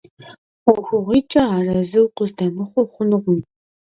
ӀуэхугъуитӀкӀэ арэзы укъыздэмыхъуу хъунукъым.